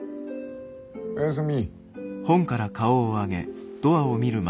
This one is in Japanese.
おやすみ。